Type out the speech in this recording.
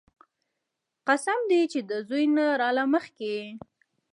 قسم دې چې د زوى نه راله مخکې يې.